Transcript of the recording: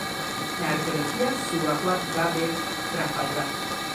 La Arqueología Subacuática de Trafalgar.